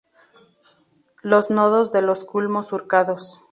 Los nodos de los culmos surcados.